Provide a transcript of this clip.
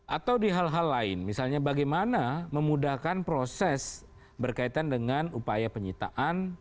atau di hal hal lain misalnya bagaimana memudahkan proses berkaitan dengan upaya penyitaan